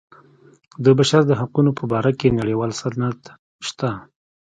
د بشر د حقونو په باره کې نړیوال سند شته.